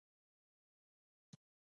آزاد تجارت مهم دی ځکه چې کلاؤډ خدمات ورکوي.